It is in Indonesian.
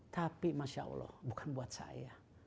tapi masya allah bukan buat saya